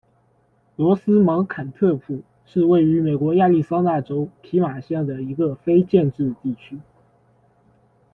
罗斯芒特坎普是位于美国亚利桑那州皮马县的一个非建制地区。